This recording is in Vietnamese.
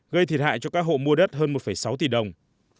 gây thiệt hại cho các hộ mua đất hơn một sáu tỷ đồng